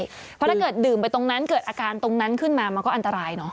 เพราะถ้าเกิดดื่มไปตรงนั้นเกิดอาการตรงนั้นขึ้นมามันก็อันตรายเนาะ